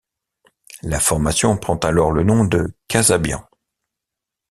La formation prend alors le nom de Kasabian.